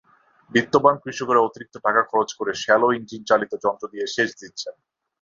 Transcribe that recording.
বিত্তবান কৃষকেরা অতিরিক্ত টাকা খরচ করে শ্যালো ইঞ্জিনচালিত যন্ত্র দিয়ে সেচ দিচ্ছেন।